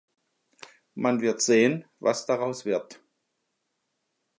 Man wird sehen, was daraus wird.